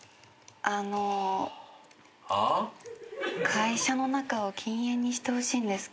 会社の中は禁煙にしてほしいんですけど。